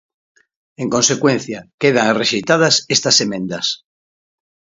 En consecuencia, queda rexeitadas estas emendas.